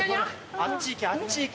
あっち行けあっち行け。